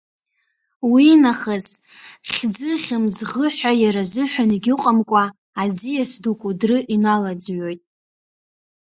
Уинахыс, хьӡы-хьмыӡӷы ҳәа иара азыҳәан егьыҟамкәа, аӡиас ду Кәыдры иналаӡҩоит.